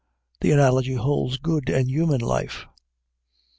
The analogy holds good in human life.